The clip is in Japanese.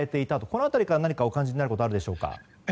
この辺りから何かお感じになることはありますか？